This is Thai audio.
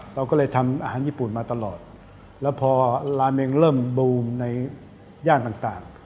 เราก็เลยทำอาหารญี่ปุ่นมาตลอดแล้วพอราเมงเริ่มบูมในย่านต่าง